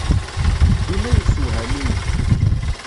Dima yessewham-iyi.